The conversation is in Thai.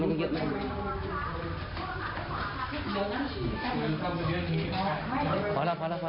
ลูกขึ้นเลยลูก